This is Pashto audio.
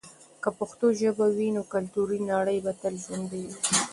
که پښتو ژبه وي، نو کلتوري نړی به تل ژوندي وي.